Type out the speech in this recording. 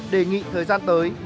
đề nghị thời gian tới